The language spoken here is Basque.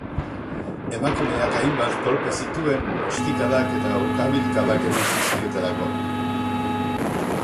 Emakumeak hainbat kolpe zituen ostikadak eta ukabilkadak eman zizkiotelako.